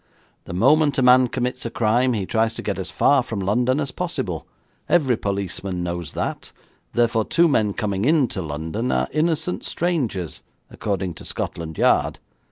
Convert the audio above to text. The moment a man commits a crime he tries to get as far away from London as possible. Every policeman knows that, therefore, two men coming into London are innocent strangers, according to Scotland Yard.'